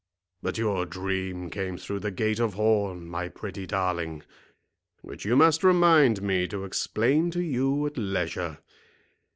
But your dream came through the gate of horn, my pretty darling, which you must remind me to explain to you at leisure.